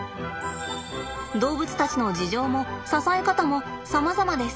動物たちの事情も支え方もさまざまです。